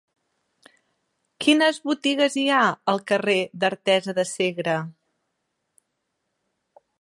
Quines botigues hi ha al carrer d'Artesa de Segre?